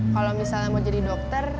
kalau misalnya mau jadi dokter